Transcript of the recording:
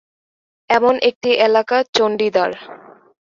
এমন একটি এলাকা চণ্ডীদার।